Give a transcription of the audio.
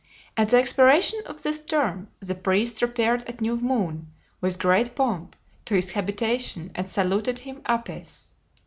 At the expiration of this term the priests repaired at new moon, with great pomp, to his habitation and saluted him Apis.